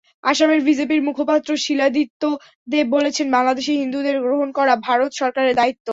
আসামের বিজেপির মুখপাত্র শিলাদিত্য দেব বলেছেন, বাংলাদেশি হিন্দুদের গ্রহণ করা ভারত সরকারের দায়িত্ব।